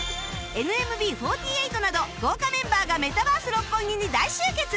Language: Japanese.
ＮＭＢ４８ など豪華メンバーがメタバース六本木に大集結